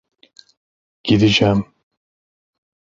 Gideceğim.